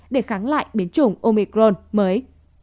để kháng lại biến chủng omicron mới